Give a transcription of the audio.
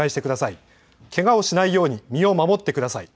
けがをしないように身を守ってください。